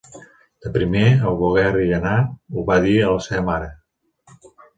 De primer, al volguer-hi anar, ho va dir a la seva mare